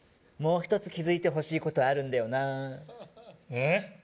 もう一つ気づいてほしいことあるんだよなえっ？